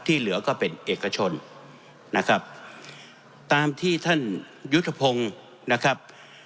เหลือก็เป็นเอกชนนะครับตามที่ท่านยุทธพงศ์นะครับ